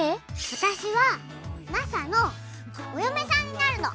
私はマサのお嫁さんになるの！